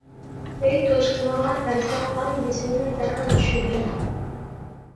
ئۆي توشقىنىغا بەرسە قان بېسىمىنى دەرھال چۈشۈرگەن.